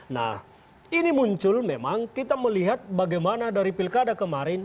nah ini muncul memang kita melihat bagaimana dari pilkada kemarin